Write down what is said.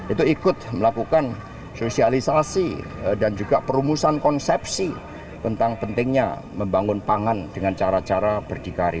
itu ikut melakukan sosialisasi dan juga perumusan konsepsi tentang pentingnya membangun pangan dengan cara cara berdikari